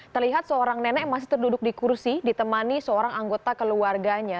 terlihat seorang nenek masih terduduk di kursi ditemani seorang anggota keluarganya